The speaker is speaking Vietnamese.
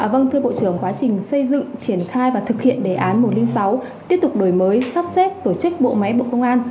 vâng thưa bộ trưởng quá trình xây dựng triển khai và thực hiện đề án một trăm linh sáu tiếp tục đổi mới sắp xếp tổ chức bộ máy bộ công an